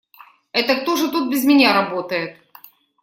Это кто же тут без меня работает?